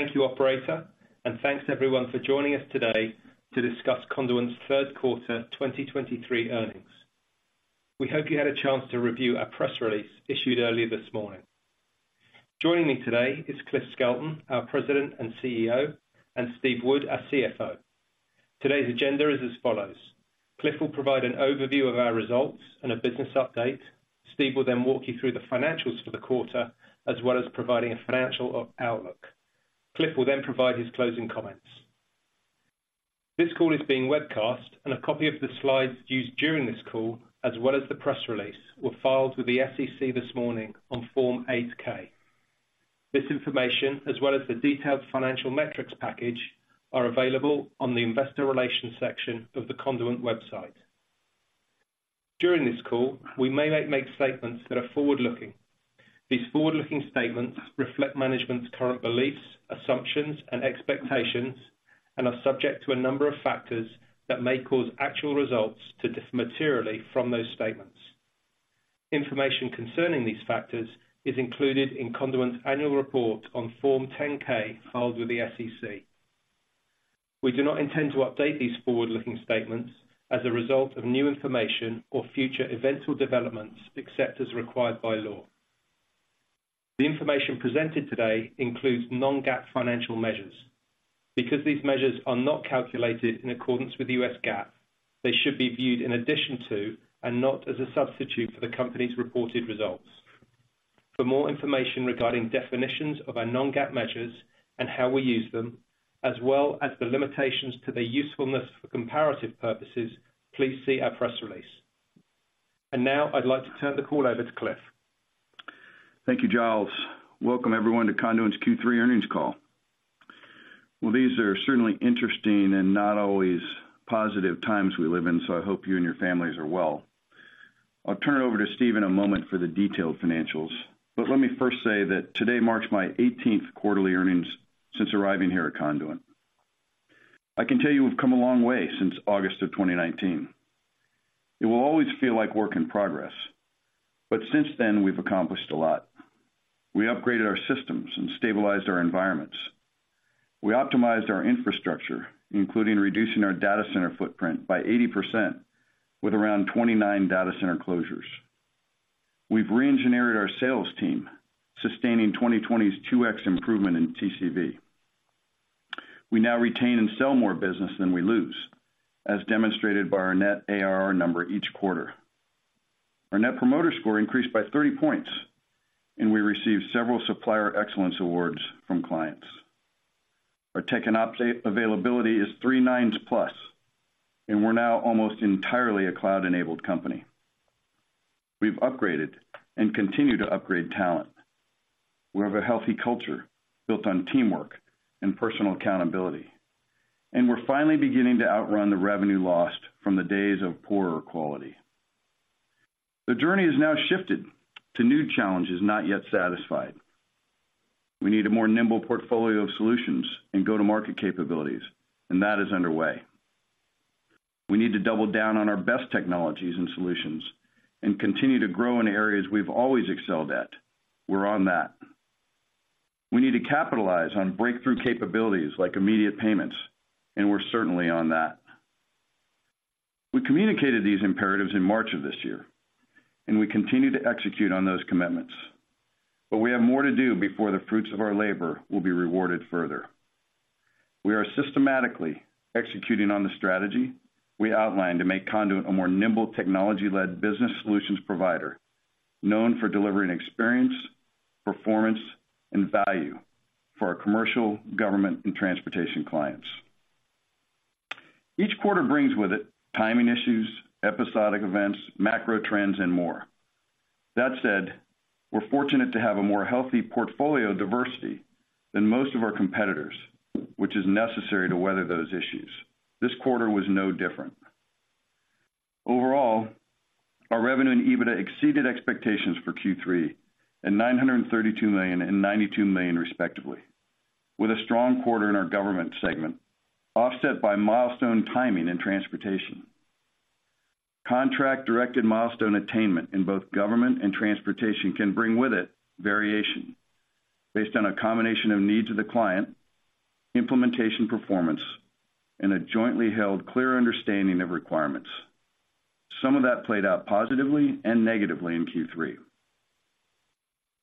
Thank you, operator, and thanks everyone for joining us today to discuss Conduent's Q3 2023 Earnings. We hope you had a chance to review our press release issued earlier this morning. Joining me today is Cliff Skelton, our President and CEO, and Steve Wood, our CFO. Today's agenda is as follows: Cliff will provide an overview of our results and a business update. Steve will then walk you through the financials for the quarter, as well as providing a financial outlook. Cliff will then provide his closing comments. This call is being webcast, and a copy of the slides used during this call, as well as the press release, were filed with the SEC this morning on Form 8-K. This information, as well as the detailed financial metrics package, are available on the investor relations section of the Conduent website. During this call, we may make statements that are forward-looking. These forward-looking statements reflect management's current beliefs, assumptions, and expectations and are subject to a number of factors that may cause actual results to differ materially from those statements. Information concerning these factors is included in Conduent's annual report on Form 10-K, filed with the SEC. We do not intend to update these forward-looking statements as a result of new information or future events or developments, except as required by law. The information presented today includes non-GAAP financial measures. Because these measures are not calculated in accordance with U.S. GAAP, they should be viewed in addition to, and not as a substitute for, the company's reported results. For more information regarding definitions of our non-GAAP measures and how we use them, as well as the limitations to their usefulness for comparative purposes, please see our press release. Now, I'd like to turn the call over to Cliff. Thank you, Giles. Welcome, everyone, to Conduent's Q3 Earnings Call. Well, these are certainly interesting and not always positive times we live in, so I hope you and your families are well. I'll turn it over to Steve in a moment for the detailed financials, but let me first say that today marks my 18th quarterly earnings since arriving here at Conduent. I can tell you we've come a long way since August of 2019. It will always feel like work in progress, but since then, we've accomplished a lot. We upgraded our systems and stabilized our environments. We optimized our infrastructure, including reducing our data center footprint by 80%, with around 29 data center closures. We've re-engineered our sales team, sustaining 2020's 2x improvement in TCV. We now retain and sell more business than we lose, as demonstrated by our net ARR number each quarter. Our Net Promoter Score increased by 30 points, and we received several supplier excellence awards from clients. Our tech and ops availability is three nines plus, and we're now almost entirely a cloud-enabled company. We've upgraded and continue to upgrade talent. We have a healthy culture built on teamwork and personal accountability, and we're finally beginning to outrun the revenue lost from the days of poorer quality. The journey has now shifted to new challenges not yet satisfied. We need a more nimble portfolio of solutions and go-to-market capabilities, and that is underway. We need to double down on our best technologies and solutions and continue to grow in areas we've always excelled at. We're on that. We need to capitalize on breakthrough capabilities like immediate payments, and we're certainly on that. We communicated these imperatives in March of this year, and we continue to execute on those commitments, but we have more to do before the fruits of our labor will be rewarded further. We are systematically executing on the strategy we outlined to make Conduent a more nimble, technology-led business solutions provider, known for delivering experience, performance, and value for our commercial, government, and transportation clients. Each quarter brings with it timing issues, episodic events, macro trends, and more. That said, we're fortunate to have a more healthy portfolio diversity than most of our competitors, which is necessary to weather those issues. This quarter was no different. Overall, our revenue and EBITDA exceeded expectations for Q3, and $932 million and $92 million, respectively, with a strong quarter in our government segment, offset by milestone timing and transportation. Contract-directed milestone attainment in both government and transportation can bring with it variation based on a combination of needs of the client, implementation performance, and a jointly held, clear understanding of requirements. Some of that played out positively and negatively in Q3.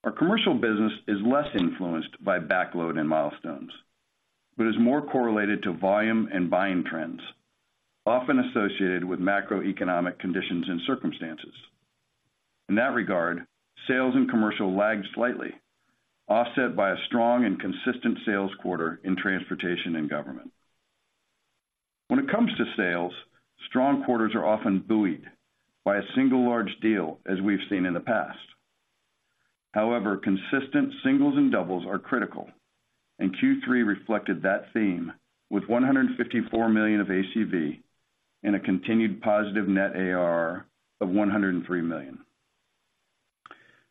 Our commercial business is less influenced by backload and milestones, but is more correlated to volume and buying trends, often associated with macroeconomic conditions and circumstances. In that regard, sales and commercial lagged slightly, offset by a strong and consistent sales quarter in transportation and government. When it comes to sales, strong quarters are often buoyed by a single large deal, as we've seen in the past. However, consistent singles and doubles are critical, and Q3 reflected that theme with $154 million of ACV and a continued positive net ARR of $103 million.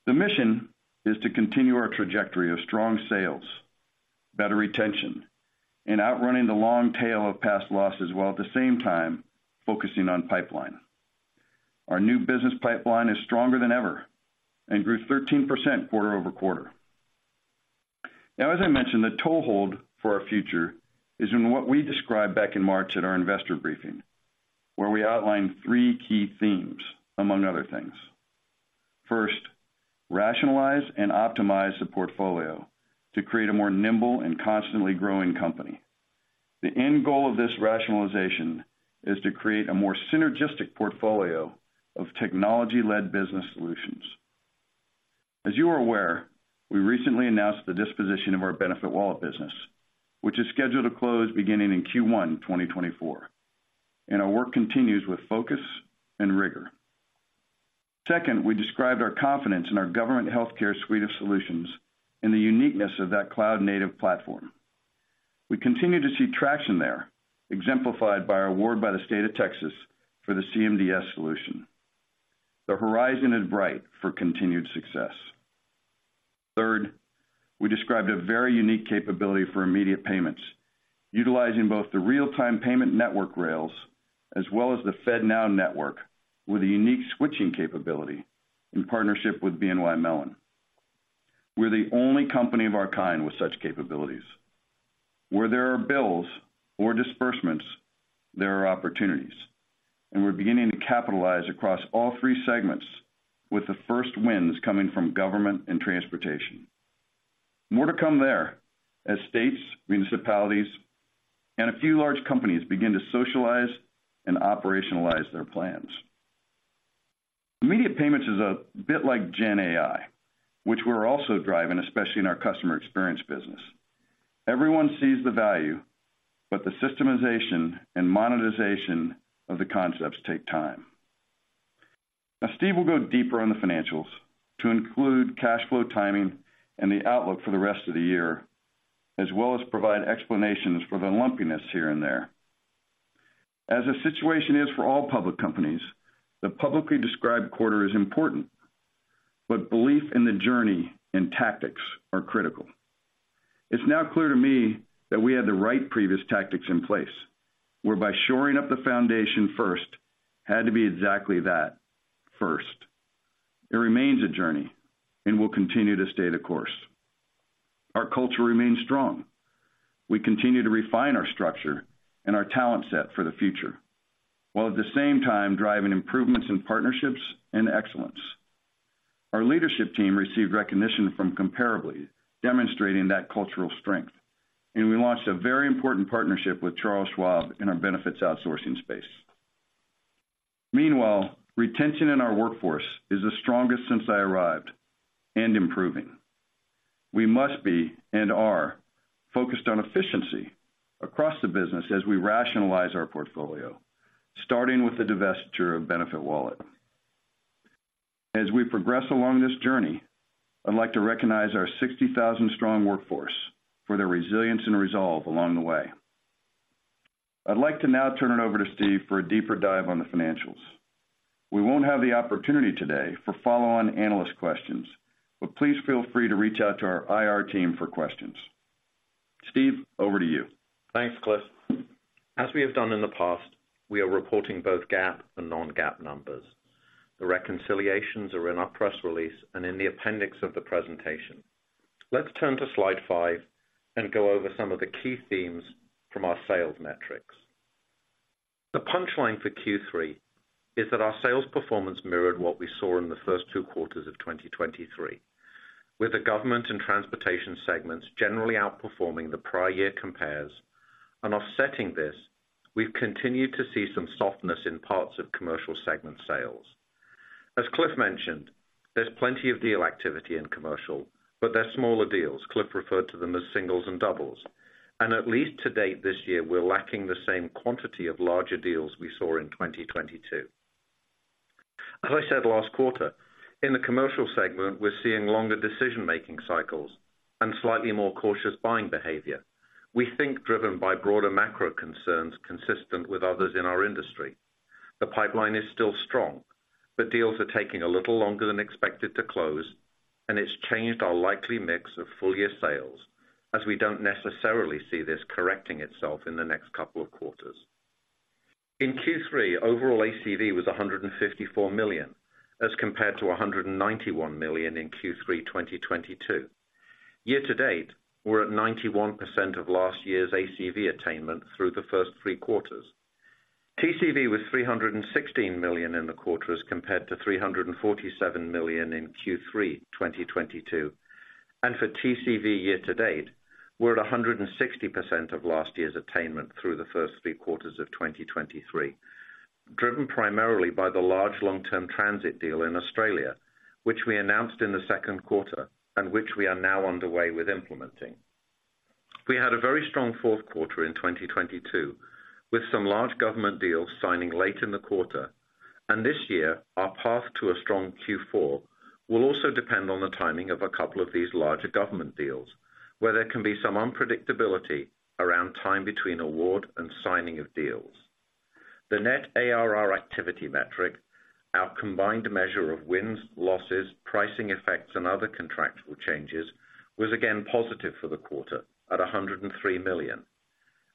The mission is to continue our trajectory of strong sales, better retention, and outrunning the long tail of past losses, while at the same time focusing on pipeline.... Our new business pipeline is stronger than ever and grew 13% quarter-over-quarter. Now, as I mentioned, the toehold for our future is in what we described back in March at our investor briefing, where we outlined three key themes, among other things. First, rationalize and optimize the portfolio to create a more nimble and constantly growing company. The end goal of this rationalization is to create a more synergistic portfolio of technology-led business solutions. As you are aware, we recently announced the disposition of our BenefitWallet business, which is scheduled to close beginning in Q1 2024, and our work continues with focus and rigor. Second, we described our confidence in our government healthcare suite of solutions and the uniqueness of that cloud-native platform. We continue to see traction there, exemplified by our award by the state of Texas for the CMDS solution. The horizon is bright for continued success. Third, we described a very unique capability for immediate payments, utilizing both the real-time payment network rails as well as the FedNow network, with a unique switching capability in partnership with BNY Mellon. We're the only company of our kind with such capabilities. Where there are bills or disbursements, there are opportunities, and we're beginning to capitalize across all three segments, with the first wins coming from government and transportation. More to come there as states, municipalities, and a few large companies begin to socialize and operationalize their plans. Immediate payments is a bit like GenAI, which we're also driving, especially in our customer experience business. Everyone sees the value, but the systemization and monetization of the concepts take time. Now, Steve will go deeper on the financials to include cash flow timing and the outlook for the rest of the year, as well as provide explanations for the lumpiness here and there. As the situation is for all public companies, the publicly described quarter is important, but belief in the journey and tactics are critical. It's now clear to me that we had the right previous tactics in place, whereby shoring up the foundation first had to be exactly that, first. It remains a journey and we'll continue to stay the course. Our culture remains strong. We continue to refine our structure and our talent set for the future, while at the same time driving improvements in partnerships and excellence. Our leadership team received recognition from Comparably, demonstrating that cultural strength, and we launched a very important partnership with Charles Schwab in our benefits outsourcing space. Meanwhile, retention in our workforce is the strongest since I arrived and improving. We must be, and are, focused on efficiency across the business as we rationalize our portfolio, starting with the divestiture of BenefitWallet. As we progress along this journey, I'd like to recognize our 60,000 strong workforce for their resilience and resolve along the way. I'd like to now turn it over to Steve for a deeper dive on the financials. We won't have the opportunity today for follow-on analyst questions, but please feel free to reach out to our IR team for questions. Steve, over to you. Thanks, Cliff. As we have done in the past, we are reporting both GAAP and non-GAAP numbers. The reconciliations are in our press release and in the appendix of the presentation. Let's turn to slide 5 and go over some of the key themes from our sales metrics. The punchline for Q3 is that our sales performance mirrored what we saw in the first two quarters of 2023, with the government and transportation segments generally outperforming the prior year compares. And offsetting this, we've continued to see some softness in parts of commercial segment sales. As Cliff mentioned, there's plenty of deal activity in commercial, but they're smaller deals. Cliff referred to them as singles and doubles, and at least to date this year, we're lacking the same quantity of larger deals we saw in 2022. As I said last quarter, in the commercial segment, we're seeing longer decision-making cycles and slightly more cautious buying behavior, we think driven by broader macro concerns consistent with others in our industry. The pipeline is still strong, but deals are taking a little longer than expected to close, and it's changed our likely mix of full year sales, as we don't necessarily see this correcting itself in the next couple of quarters. In Q3, overall ACV was $154 million, as compared to $191 million in Q3 2022. Year to date, we're at 91% of last year's ACV attainment through the first three quarters. TCV was $316 million in the quarter, as compared to $347 million in Q3 2022. For TCV year to date, we're at 160% of last year's attainment through the first three quarters of 2023, driven primarily by the large long-term transit deal in Australia, which we announced in the Q2, and which we are now underway with implementing. We had a very strong Q4 in 2022, with some large government deals signing late in the quarter. This year, our path to a strong Q4 will also depend on the timing of a couple of these larger government deals, where there can be some unpredictability around time between award and signing of deals. The net ARR activity metric, our combined measure of wins, losses, pricing effects, and other contractual changes, was again positive for the quarter at $103 million.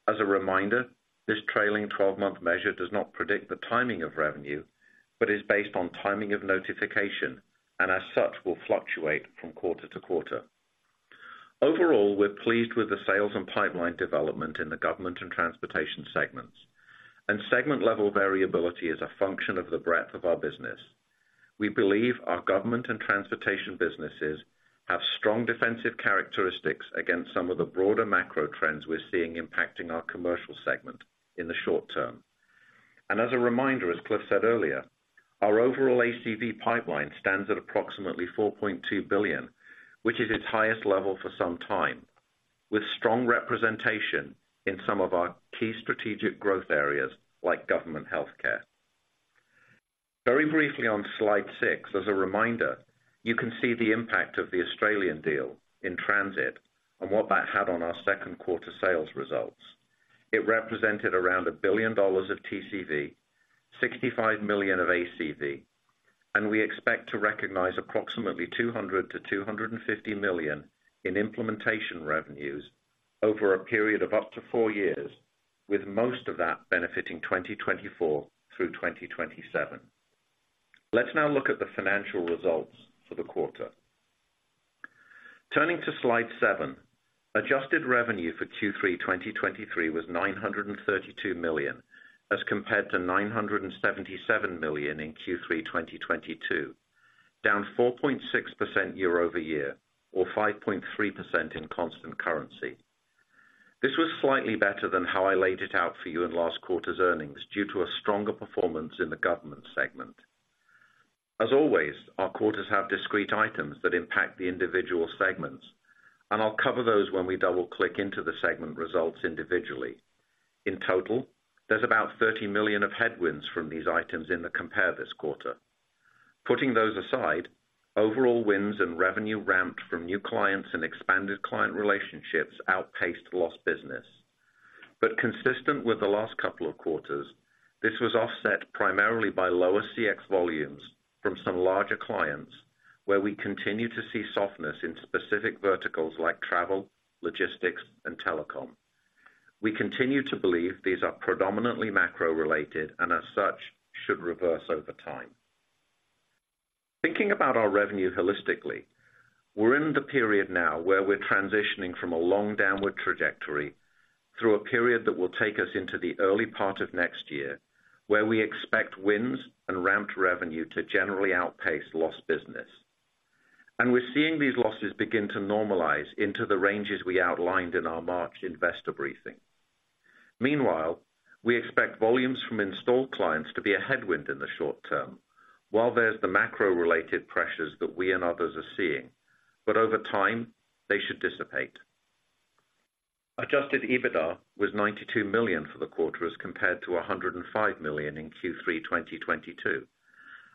As a reminder, this trailing 12 month measure does not predict the timing of revenue, but is based on timing of notification, and as such, will fluctuate from quarter to quarter. Overall, we're pleased with the sales and pipeline development in the government and transportation segments, and segment-level variability is a function of the breadth of our business. We believe our government and transportation businesses have strong defensive characteristics against some of the broader macro trends we're seeing impacting our commercial segment in the short term. As a reminder, as Cliff said earlier, our overall ACV pipeline stands at approximately $4.2 billion, which is its highest level for some time, with strong representation in some of our key strategic growth areas like government healthcare. Very briefly on Slide 6, as a reminder, you can see the impact of the Australian deal in transit and what that had on our Q2 sales results. It represented around $1 billion of TCV, $65 million of ACV, and we expect to recognize approximately $200 million-$250 million in implementation revenues over a period of up to 4 years, with most of that benefiting 2024 through 2027. Let's now look at the financial results for the quarter. Turning to Slide 7, adjusted revenue for Q3 2023 was $932 million, as compared to $977 million in Q3 2022, down 4.6% year-over-year, or 5.3% in constant currency. This was slightly better than how I laid it out for you in last quarter's earnings, due to a stronger performance in the government segment. As always, our quarters have discrete items that impact the individual segments, and I'll cover those when we double-click into the segment results individually. In total, there's about $30 million of headwinds from these items in the compare this quarter. Putting those aside, overall wins and revenue ramped from new clients and expanded client relationships outpaced lost business. But consistent with the last couple of quarters, this was offset primarily by lower CX volumes from some larger clients, where we continue to see softness in specific verticals like travel, logistics, and telecom. We continue to believe these are predominantly macro-related and as such, should reverse over time. Thinking about our revenue holistically, we're in the period now where we're transitioning from a long downward trajectory through a period that will take us into the early part of next year, where we expect wins and ramped revenue to generally outpace lost business. We're seeing these losses begin to normalize into the ranges we outlined in our March investor briefing. Meanwhile, we expect volumes from installed clients to be a headwind in the short term, while there's the macro-related pressures that we and others are seeing, but over time, they should dissipate. Adjusted EBITDA was $92 million for the quarter, as compared to $105 million in Q3 2022,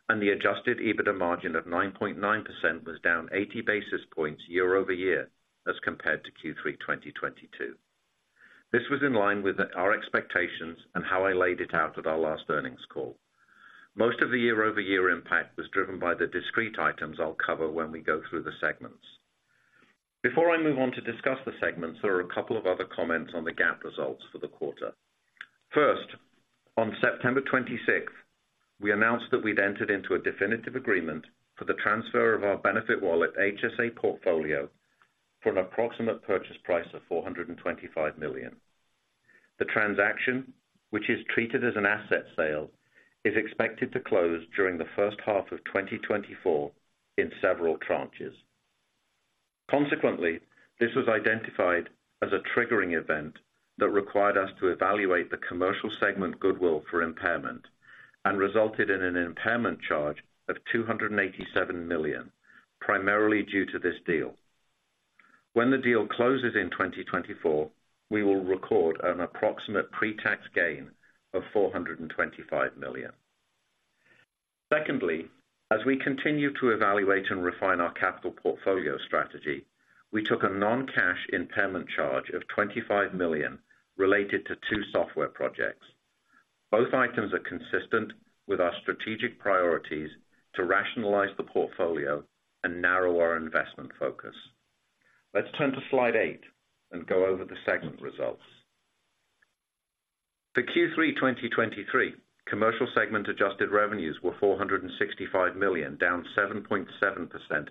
and the adjusted EBITDA margin of 9.9% was down 80 basis points year-over-year, as compared to Q3 2022. This was in line with our expectations and how I laid it out at our last earnings call. Most of the year-over-year impact was driven by the discrete items I'll cover when we go through the segments. Before I move on to discuss the segments, there are a couple of other comments on the GAAP results for the quarter. First, on September 26th, we announced that we'd entered into a definitive agreement for the transfer of our BenefitWallet HSA portfolio for an approximate purchase price of $425 million. The transaction, which is treated as an asset sale, is expected to close during the first half of 2024 in several tranches. Consequently, this was identified as a triggering event that required us to evaluate the commercial segment goodwill for impairment and resulted in an impairment charge of $287 million, primarily due to this deal. When the deal closes in 2024, we will record an approximate pre-tax gain of $425 million. Secondly, as we continue to evaluate and refine our capital portfolio strategy, we took a non-cash impairment charge of $25 million related to two software projects. Both items are consistent with our strategic priorities to rationalize the portfolio and narrow our investment focus. Let's turn to Slide 8 and go over the segment results. For Q3 2023, commercial segment adjusted revenues were $465 million, down 7.7%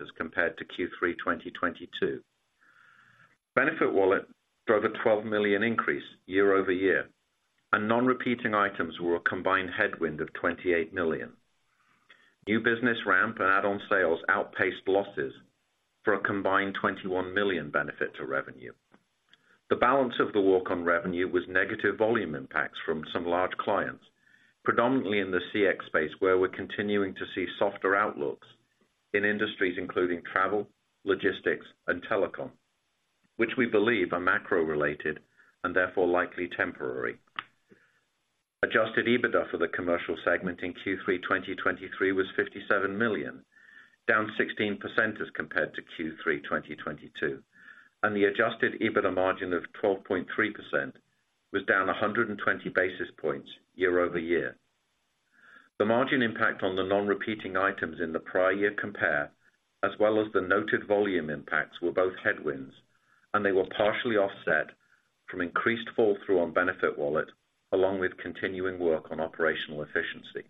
as compared to Q3 2022. BenefitWallet drove a $12 million increase year-over-year, and non-repeating items were a combined headwind of $28 million. New business ramp and add-on sales outpaced losses for a combined $21 million benefit to revenue. The balance of the walk-on revenue was negative volume impacts from some large clients, predominantly in the CX space, where we're continuing to see softer outlooks in industries including travel, logistics, and telecom, which we believe are macro-related and therefore likely temporary. Adjusted EBITDA for the commercial segment in Q3 2023 was $57 million, down 16% as compared to Q3 2022, and the adjusted EBITDA margin of 12.3% was down 120 basis points year-over-year. The margin impact on the non-repeating items in the prior year compare, as well as the noted volume impacts, were both headwinds, and they were partially offset from increased fall-through on BenefitWallet, along with continuing work on operational efficiency.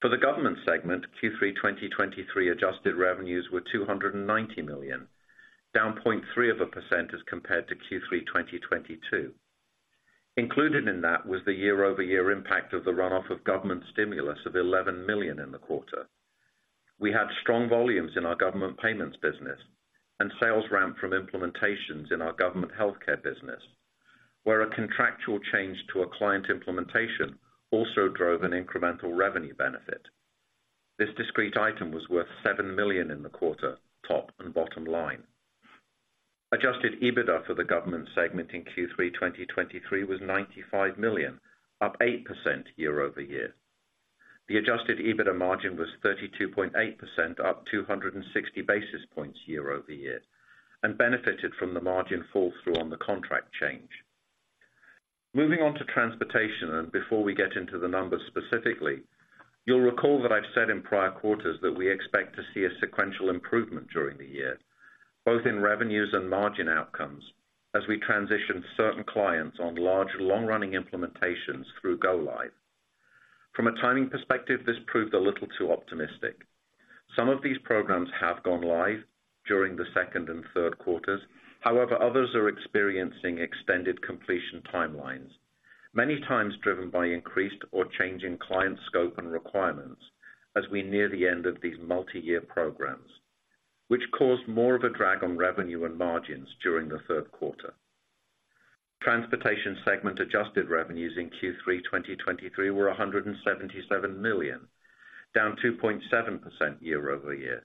For the government segment, Q3 2023 adjusted revenues were $290 million, down 0.3% as compared to Q3 2022. Included in that was the year-over-year impact of the run-off of government stimulus of $11 million in the quarter. We had strong volumes in our government payments business and sales ramp from implementations in our government healthcare business, where a contractual change to a client implementation also drove an incremental revenue benefit. This discrete item was worth $7 million in the quarter, top and bottom line. Adjusted EBITDA for the government segment in Q3 2023 was $95 million, up 8% year-over-year. The adjusted EBITDA margin was 32.8%, up 260 basis points year-over-year, and benefited from the margin fall-through on the contract change. Moving on to transportation, and before we get into the numbers specifically, you'll recall that I've said in prior quarters that we expect to see a sequential improvement during the year, both in revenues and margin outcomes, as we transition certain clients on large, long-running implementations through go live. From a timing perspective, this proved a little too optimistic. Some of these programs have gone live during the Q2 and Q3. However, others are experiencing extended completion timelines, many times driven by increased or changing client scope and requirements as we near the end of these multi-year programs, which caused more of a drag on revenue and margins during the Q3. Transportation segment adjusted revenues in Q3 2023 were $177 million, down 2.7% year-over-year,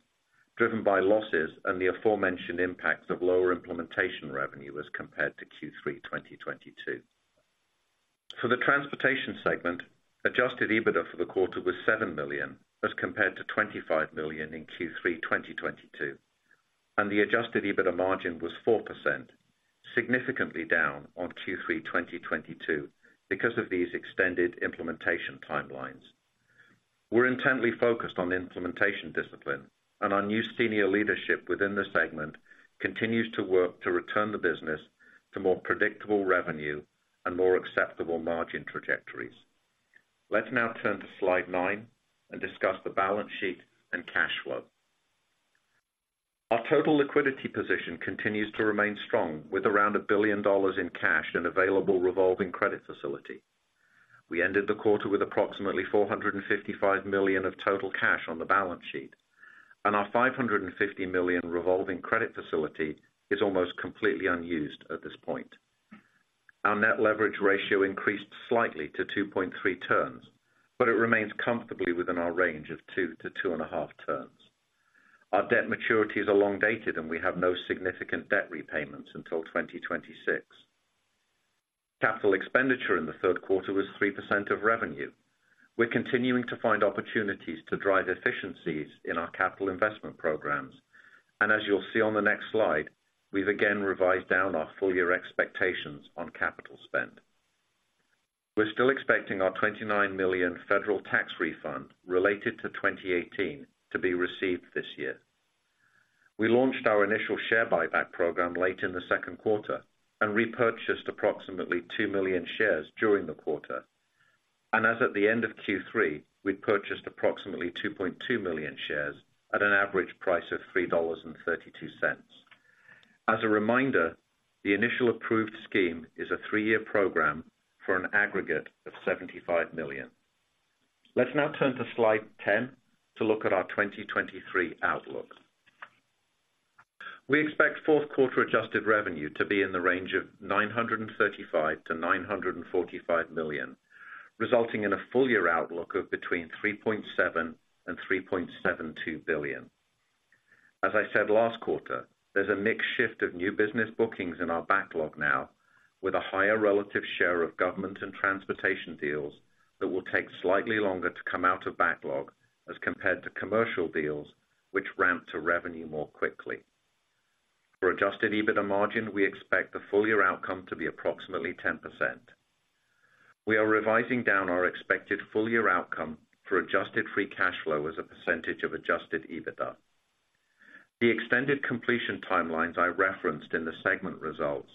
driven by losses and the aforementioned impacts of lower implementation revenue as compared to Q3 2022. For the transportation segment, adjusted EBITDA for the quarter was $7 million, as compared to $25 million in Q3 2022, and the adjusted EBITDA margin was 4%, significantly down on Q3 2022 because of these extended implementation timelines. We're intently focused on implementation discipline, and our new senior leadership within the segment continues to work to return the business to more predictable revenue and more acceptable margin trajectories. Let's now turn to Slide 9 and discuss the balance sheet and cash flow. Our total liquidity position continues to remain strong, with around $1 billion in cash and available revolving credit facility. We ended the quarter with approximately $455 million of total cash on the balance sheet, and our $550 million revolving credit facility is almost completely unused at this point. Our net leverage ratio increased slightly to 2.3 turns, but it remains comfortably within our range of 2-2.5 turns. Our debt maturities are long dated, and we have no significant debt repayments until 2026. Capital expenditure in the Q3 was 3% of revenue. We're continuing to find opportunities to drive efficiencies in our capital investment programs, and as you'll see on the next slide, we've again revised down our full year expectations on capital spend. We're still expecting our $29 million federal tax refund related to 2018 to be received this year. We launched our initial share buyback program late in the Q2 and repurchased approximately 2 million shares during the quarter. As at the end of Q3, we'd purchased approximately 2.2 million shares at an average price of $3.32. As a reminder, the initial approved scheme is a three-year program for an aggregate of $75 million. Let's now turn to Slide 10 to look at our 2023 outlook. We expect Q4 adjusted revenue to be in the range of $935 million-$945 million, resulting in a full year outlook of between $3.7 billion-$3.72 billion. As I said last quarter, there's a mixed shift of new business bookings in our backlog now, with a higher relative share of government and transportation deals that will take slightly longer to come out of backlog, as compared to commercial deals, which ramp to revenue more quickly. For adjusted EBITDA margin, we expect the full year outcome to be approximately 10%. We are revising down our expected full year outcome for adjusted free cash flow as a percentage of adjusted EBITDA. The extended completion timelines I referenced in the segment results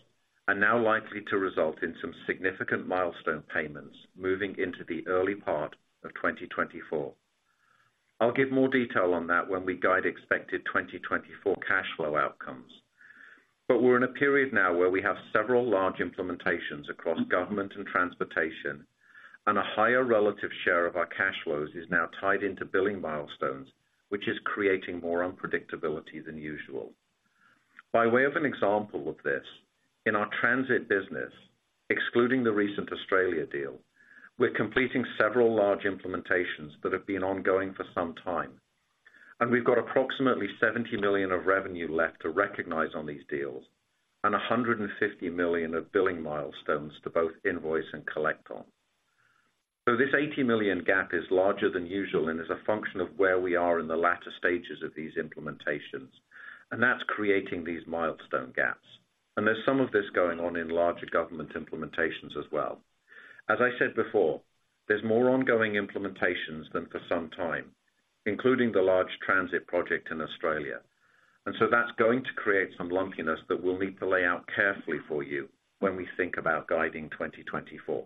are now likely to result in some significant milestone payments moving into the early part of 2024. I'll give more detail on that when we guide expected 2024 cash flow outcomes. But we're in a period now where we have several large implementations across government and transportation, and a higher relative share of our cash flows is now tied into billing milestones, which is creating more unpredictability than usual. By way of an example of this, in our transit business, excluding the recent Australia deal, we're completing several large implementations that have been ongoing for some time, and we've got approximately $70 million of revenue left to recognize on these deals and $150 million of billing milestones to both invoice and collect on. So this $80 million gap is larger than usual and is a function of where we are in the latter stages of these implementations, and that's creating these milestone gaps. There's some of this going on in larger government implementations as well. As I said before, there's more ongoing implementations than for some time, including the large transit project in Australia, and so that's going to create some lumpiness that we'll need to lay out carefully for you when we think about guiding 2024.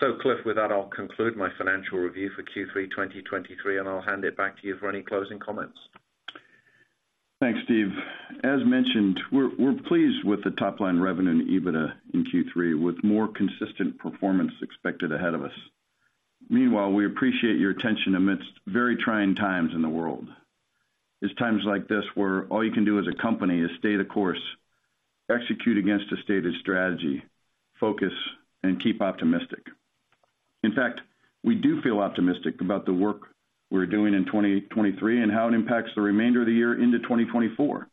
So Cliff, with that, I'll conclude my financial review for Q3 2023, and I'll hand it back to you for any closing comments. Thanks, Steve. As mentioned, we're pleased with the top line revenue and EBITDA in Q3, with more consistent performance expected ahead of us. Meanwhile, we appreciate your attention amidst very trying times in the world. It's times like this where all you can do as a company is stay the course, execute against a stated strategy, focus, and keep optimistic. In fact, we do feel optimistic about the work we're doing in 2023 and how it impacts the remainder of the year into 2024,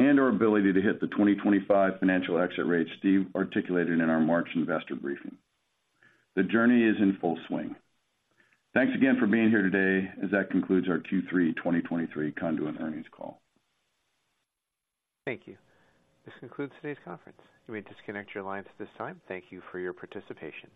and our ability to hit the 2025 financial exit rate Steve articulated in our March investor briefing. The journey is in full swing. Thanks again for being here today, as that concludes our Q3 2023 Conduent Earnings Call. Thank you. This concludes today's conference. You may disconnect your lines at this time. Thank you for your participation.